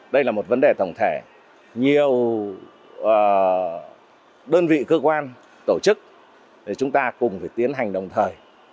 đây là một vấn đề tổng thể nhiều đơn vị cơ quan tổ chức để chúng ta cùng phải tiến hành đồng thời